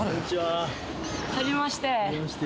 はじめまして。